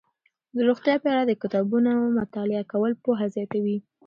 د روغتیا په اړه د کتابونو مطالعه کول پوهه زیاتوي.